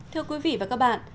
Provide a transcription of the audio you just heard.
thưa quý vị và các bạn